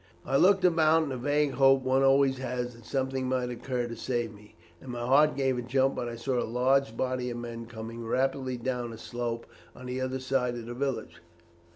I looked about in the vague hope one always has that something might occur to save me, and my heart gave a jump when I saw a large body of men coming rapidly down a slope on the other side of the village.